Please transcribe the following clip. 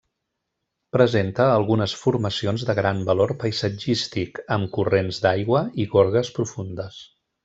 Presenta algunes formacions de gran valor paisatgístic, amb corrents d’aigua i gorgues profundes.